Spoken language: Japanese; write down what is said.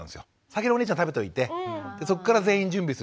先にお姉ちゃん食べといてそこから全員準備する。